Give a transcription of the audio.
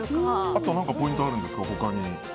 あと何かポイントはあるんですか、他に。